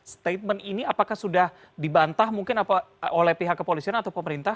statement ini apakah sudah dibantah mungkin oleh pihak kepolisian atau pemerintah